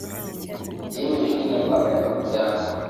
Byemejwe na b’ abanyamuryango.